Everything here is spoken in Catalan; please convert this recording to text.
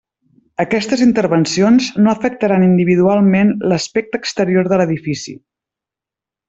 Aquestes intervencions, no afectaran individualment l'aspecte exterior de l'edifici.